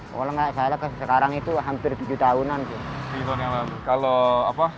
pokoknya nggak salah sekarang itu hampir tujuh tahunan sih